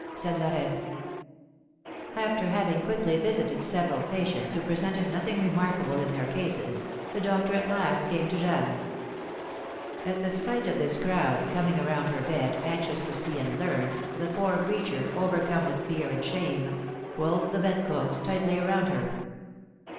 said Lorraine. After having quickly visited several patients who presented nothing remarkable in their cases, the doctor at last came to Jeanne. At the sight of this crowd coming around her bed, anxious to see and learn, the poor creature, overcome with fear and shame, pulled the bed clothes tightly around her.